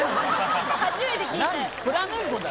初めて聞いたよ